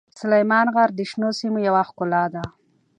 سلیمان غر د شنو سیمو یوه ښکلا ده.